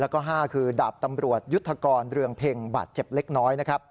๕คือดาบตำรวจยุทธกรเรืองเพ็งบาดเจ็บเล็กน้อย